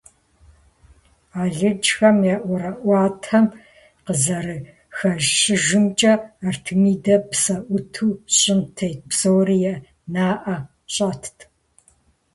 Алыджхэм я ӀуэрыӀуатэм къызэрыхэщыжымкӀэ, Артемидэ псэ Ӏуту щӀым тет псори и нэӀэ щӀэтт.